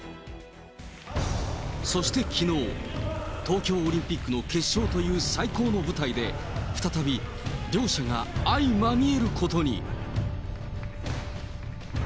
そしてきのう、東京オリンピックの決勝という最高の舞台で、再び両者が相まみえることに。